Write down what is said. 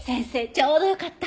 ちょうどよかった。